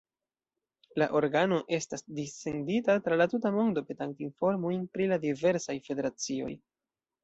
La organo estas dissendita tra la tuta mondo petante informojn pri la diversaj federacioj.